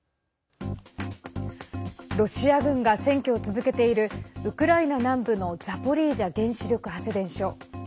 ロシア軍が占拠を続けているウクライナ南部のザポリージャ原子力発電所。